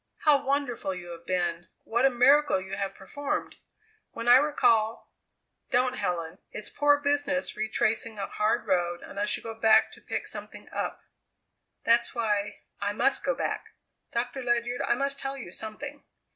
"How wonderful you have been; what a miracle you have performed. When I recall " "Don't, Helen! It's poor business retracing a hard road unless you go back to pick something up." "That's why I must go back. Doctor Ledyard, I must tell you something!